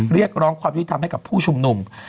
เรียกร้องความที่ที่ทำให้กับผู้ชุมหนุ่ม